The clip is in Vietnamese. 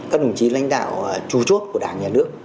các đồng chí lãnh đạo tru chốt của đảng nhà nước